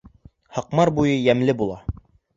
Һаҡмар буйы йәмле була